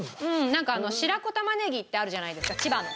なんかあの白子たまねぎってあるじゃないですか千葉の。